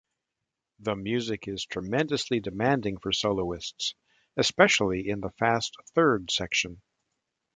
The music is tremendously demanding for soloists, especially in the fast third section.